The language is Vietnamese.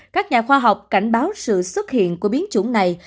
các nhà khoa học cảnh báo sự xuất hiện của biến chủng này